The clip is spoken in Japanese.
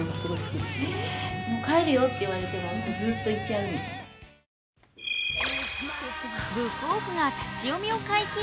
夏休みもブックオフが立ち読みを解禁。